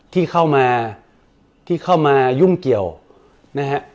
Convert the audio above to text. ที่เข้ามายุ่งเกี่ยวนะครับ